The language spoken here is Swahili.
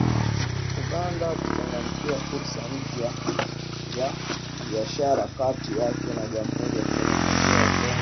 Uganda kuchangamkia fursa mpya za kibiashara kati yake na Jamhuri ya Kidemokrasia ya Kongo